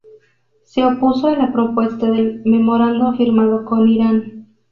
Se opuso a la propuesta del memorando firmado con Irán.